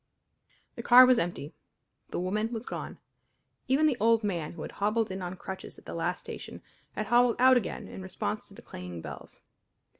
The car was empty. The woman was gone. Even the old man who had hobbled in on crutches at the last station had hobbled out again in response to the clanging bells.